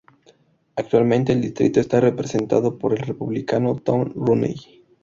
Actualmente el distrito está representado por el Republicano Tom Rooney.